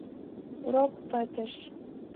Урок пытыш.